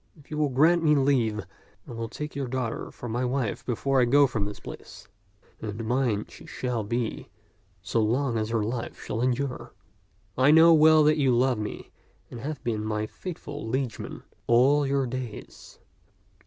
If you will grant me leave, I will take your daughter for my wife before I go from this place, and mine she shall be so long as her life shall endure. I know well that you love me and have been my faithful liegeman all your days.